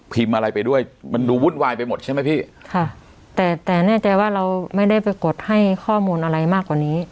อะไรไปด้วยมันดูวุ่นวายไปหมดใช่ไหมพี่ค่ะแต่แต่แน่ใจว่าเราไม่ได้ไปกดให้ข้อมูลอะไรมากกว่านี้